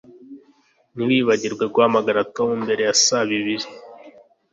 Ntiwibagirwe guhamagara Tom mbere ya saa biriri